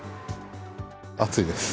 暑いです。